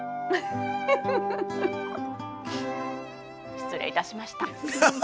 失礼いたしました。